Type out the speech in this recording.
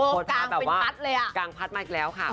โพสต์ภาพแบบว่ากางพัดมาอีกแล้วค่ะ